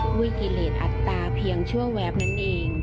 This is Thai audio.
ด้วยกิเลสอัตราเพียงชั่วแวบนั่นเอง